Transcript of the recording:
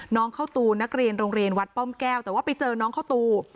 น้องเข้าตูนนักเรียนโรงเรียนวัดป้อมแก้วแต่ว่าไปเจอน้องเข้าตู